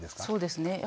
そうですね